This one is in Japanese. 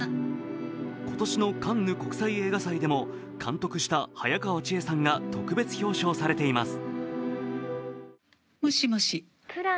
今年のカンヌ国際映画祭でも監督した早川千絵さんが特別表彰されています。